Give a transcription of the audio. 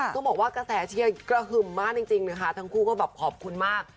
ต้องบอกว่ากระแสเชียร์กระหึ่มมากจริงนะคะทั้งคู่ก็แบบขอบคุณมาก